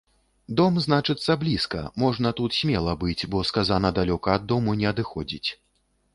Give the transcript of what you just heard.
Дом, значыцца, блізка, можна тут смела быць, бо сказана далёка ад дому не адыходзіць.